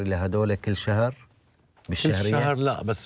มีใครต้องจ่ายค่าคุมครองกันทุกเดือนไหม